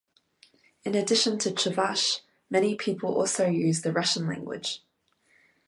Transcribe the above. In addition to Chuvash, many people also use the Russian language.